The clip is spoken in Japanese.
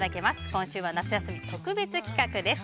今週は夏休み特別企画です。